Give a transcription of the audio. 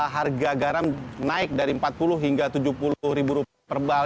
harga garam naik dari rp empat puluh hingga rp tujuh puluh ribu rupiah